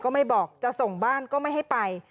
ไม่บอกจะส่งบ้านก็ไม่ให้ไป